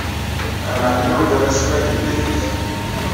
Amɛellem-iw d amasmag n tidet.